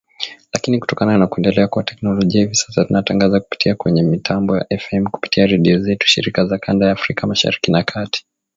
Lakini kutokana na kuendelea kwa teknolojia hivi sasa tunatangaza kupitia pia kwenye mitambo ya FM kupitia redio zetu shirika za kanda ya Afrika Mashariki na Kati.